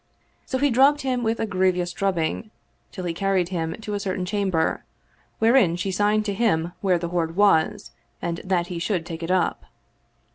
So he drubbed him with a grievous drubbing, till he carried him to a certain cham ber, wherein she signed to him that the hoard was and that he should take it up.